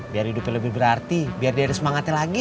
biar hidupnya lebih berarti biar dia ada semangatnya lagi